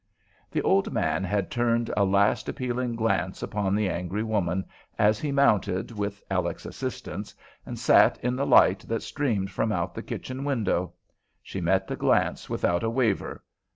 The old man had turned a last appealing glance upon the angry woman, as he mounted with Aleck's assistance, and sat in the light that streamed from out the kitchen window. She met the glance without a waver.